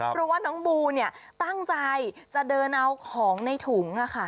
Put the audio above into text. เพราะว่าน้องบูตั้งใจจะเดินเอาของในถุง